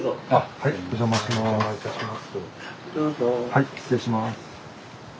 はい失礼します。